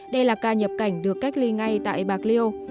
đây là ca nhập cảnh được cách ly ngay tại bạc liêu